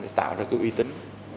để tạo ra cái uy tín